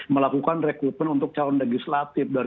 melakukan rekrutmen untuk calon legislatif dan